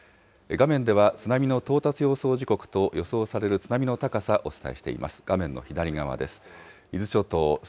画面では津波の到達予想時刻と予想される津波の高さ、お伝えしています。